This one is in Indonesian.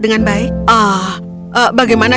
dengan baik ah bagaimana